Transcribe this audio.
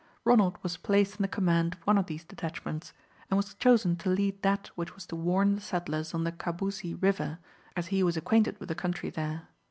Ronald was placed in the command of one of these detachments, and was chosen to lead that which was to warn the settlers on the Kabousie River, as he was acquainted with the country there.